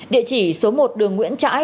địa chỉ số một đường nguyễn trãi